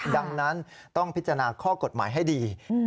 ดังนั้นต้องพิจารณาข้อกฎหมายให้ดี